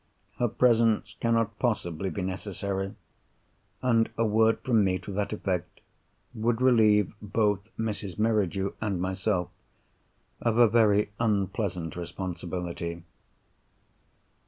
Her presence cannot possibly be necessary; and a word from me, to that effect, would relieve both Mrs. Merridew and myself of a very unpleasant responsibility.